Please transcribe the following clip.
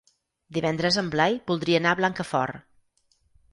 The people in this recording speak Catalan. Divendres en Blai voldria anar a Blancafort.